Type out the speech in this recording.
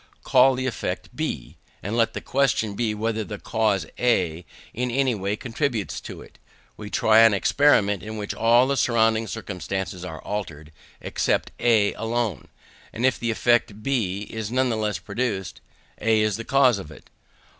Call the effect B, and let the question be whether the cause A in any way contributes to it. We try an experiment in which all the surrounding circumstances are altered, except A alone: if the effect B is nevertheless produced, A is the cause of it.